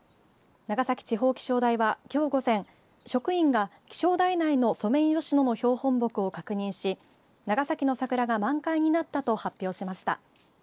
長崎地方気象台は、きょう午前職員が気象台内のソメイヨシノの標本木を確認し長崎の桜が満開になったと発表しました。